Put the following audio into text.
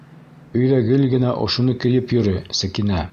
Өйҙә гел генә ошоно кейеп йөрө, Сәкинә.